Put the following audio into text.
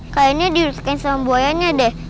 kayanya diuruskan sama buayanya deh